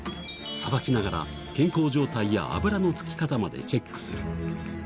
さばきながら、健康状態や脂の付き方までチェックする。